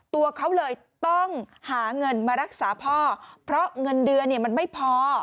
ตัวเขาเลยต้องหาเงินมารักษาพ่อเพราะเงินเดือนเนี่ยมันไม่พอ